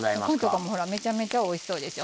めちゃめちゃおいしそうでしょ。